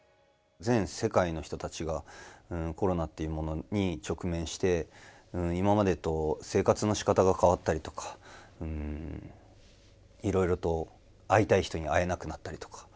全世界の人たちがコロナっていうものに直面して今までと生活のしかたが変わったりとか、いろいろと会いたい人に会えなくなったりとか。